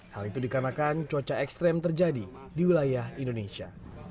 hal itu dikarenakan cuaca ekstrim terjadi di wilayah indonesia